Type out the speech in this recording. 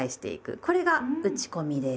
これが打ち込みです。